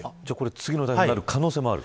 次の台風になる可能性もある。